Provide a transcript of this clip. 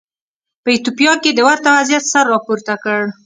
په ایتوپیا کې د ورته وضعیت سر راپورته کړ.